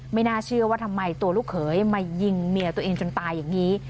น่าเชื่อว่าทำไมตัวลูกเขยมายิงเมียตัวเองจนตายอย่างนี้